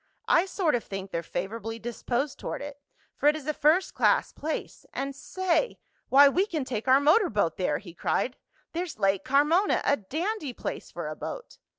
"I sort of think they're favorably disposed toward it, for it is a first class place. And say! why, we can take our motor boat there!" he cried. "There's Lake Carmona a dandy place for a boat."